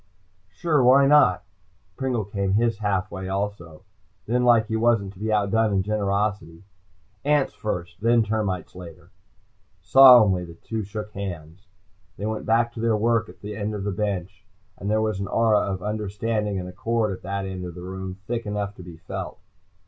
"Sure, why not?" Pringle came his half way also. Then, like he wasn't to be outdone in generosity. "Ants first, then termites later." Solemnly the two shook hands. They went back to their work at the bench, and there was an aura of understanding and accord at that end of the room thick enough to be felt.